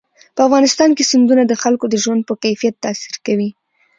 په افغانستان کې سیندونه د خلکو د ژوند په کیفیت تاثیر کوي.